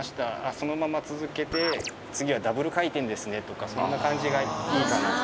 そのまま続けて次はダブル回転ですね」とかそんな感じがいいかなと。